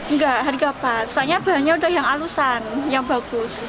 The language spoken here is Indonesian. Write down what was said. enggak harga pas soalnya bahannya udah yang alusan yang bagus